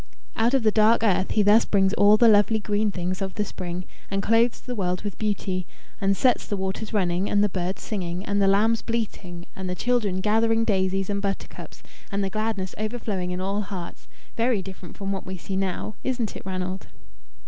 Out of the dark earth he thus brings all the lovely green things of the spring, and clothes the world with beauty, and sets the waters running, and the birds singing, and the lambs bleating, and the children gathering daisies and butter cups, and the gladness overflowing in all hearts very different from what we see now isn't it, Ranald?"